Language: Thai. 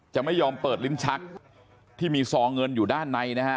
จะไม่ยอมเปิดลิ้นชักที่มีซอเงินอยู่ด้านในนะฮะ